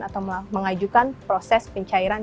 atau mengajukan proses pencairan